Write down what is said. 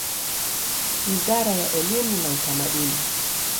Wizara ya elimu na Utamaduni.